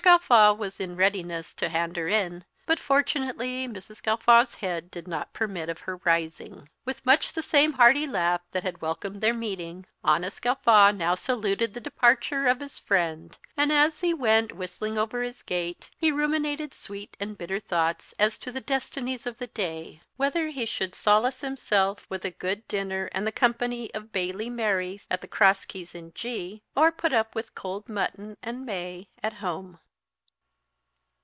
Gawffaw was in readiness to hand her in, but fortunately Mrs. Gaffaw's head did not permit of her rising. With much the same hearty laugh that had welcomed their meeting, honest Gawffaw now saluted the departure of his friend; and as he went whistling over his gate, he ruminated sweet and bitter thoughts as to the destinies of the day whether he should solace himself with a good dinner and the company of Bailie Merry thought at the Cross Keys in G , or put up with cold mutton, and May, at home.